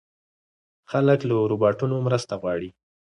خلک له روباټونو مرسته غواړي.